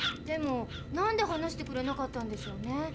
でもなんで話してくれなかったんでしょうね。